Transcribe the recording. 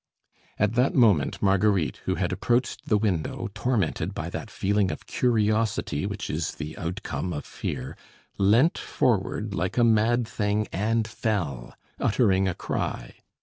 At that moment Marguerite, who had approached the window, tormented by that feeling of curiosity which is the outcome of fear, leant forward like a mad thing and fell, uttering a cry.